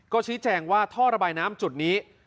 ก็ชี้แจงว่าท่อระบายน้ำจุดนี้